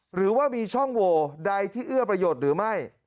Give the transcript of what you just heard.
หรือว่ามีช่องโหวใดที่เอื้อประโยชน์หรือไม่